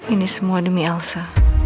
ini semua demi elsa